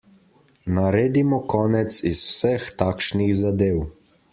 Naredimo konec iz vseh takšnih zadev.